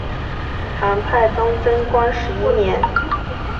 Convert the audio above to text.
唐太宗贞观十一年。